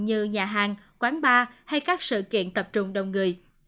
như nhà hàng quán bar hay các sự kiện tập trung đông người